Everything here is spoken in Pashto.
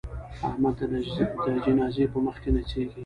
احمد د جنازې په مخ کې نڅېږي.